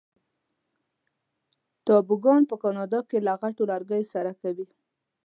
توبوګان په کاناډا کې په غټو لرګیو سره کوي.